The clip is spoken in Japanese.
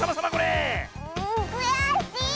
くやしい！